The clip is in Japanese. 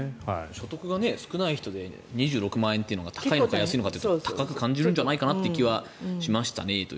所得が少ない人で２６万円が高いのか安いのかと言ったら高く感じるんじゃないかなという気はしましたね。